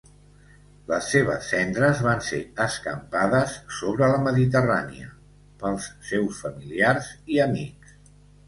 Les seves cendres van ser escampades sobre la Mediterrània pels seus familiars i amics.